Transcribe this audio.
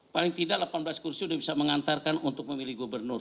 paling tidak delapan belas kursi sudah bisa mengantarkan untuk memilih gubernur